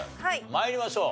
参りましょう。